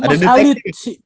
itu mas alit